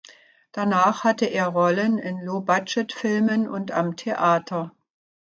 Danach hatte er Rollen in Low-Budget-Filmen und am Theater.